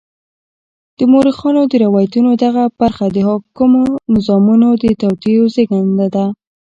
د مورخانو د روایتونو دغه برخه د حاکمو نظامونو د توطیو زېږنده ده.